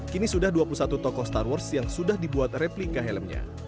kini sudah dua puluh satu tokoh star wars yang sudah dibuat replika helmnya